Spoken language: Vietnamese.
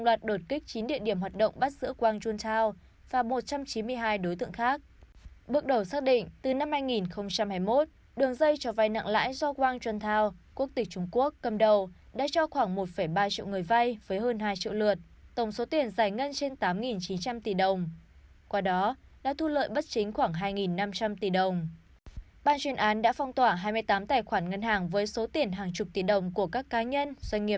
ban chuyên án đã phong tỏa hai mươi tám tài khoản ngân hàng với số tiền hàng chục tỷ đồng của các cá nhân doanh nghiệp trong đường dây này